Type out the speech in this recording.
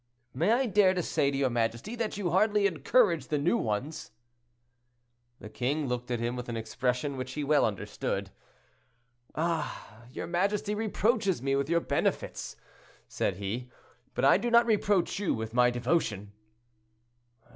"May I dare to say to your majesty that you hardly encourage the new ones." The king looked at him with an expression which he well understood. "Ah! your majesty reproaches me with your benefits," said he, "but I do not reproach you with my devotion."